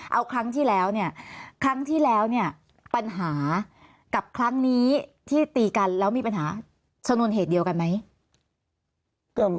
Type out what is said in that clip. เอาครั้งที่แล้วเนี่ยครั้งที่แล้วเนี่ยปัญหากับครั้งนี้ที่ตีกันแล้วมีปัญหาชนวนเหตุเดียวกันไหม